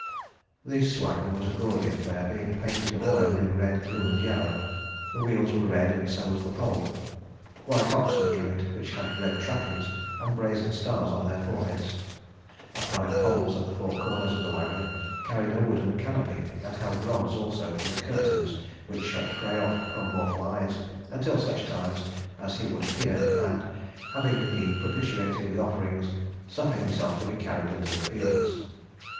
This wagon was a gaudy affair, being painted all over in red, blue and yellow. The wheels were red and so was the pole. White oxen drew it, which had red trappings and brazen stars on their foreheads. Upright poles at the four corners of the wagon carried a wooden canopy, and held rods also for the curtains which shut Frey off from mortal eyes until such times as he would appear and, having been propitiated with offerings, suffer himself to be carried into the fields.